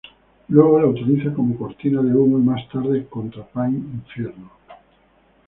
Luego la utiliza como cortina de humo y más tarde contra Pain Infierno.